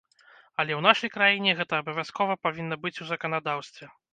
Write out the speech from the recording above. Але ў нашай краіне гэта абавязкова павінна быць у заканадаўстве.